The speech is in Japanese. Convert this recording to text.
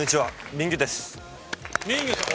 ミンギュさん。